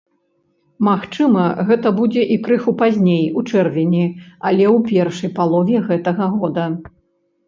Магчыма, гэта будзе і крыху пазней, у чэрвені, але ў першай палове гэтага года.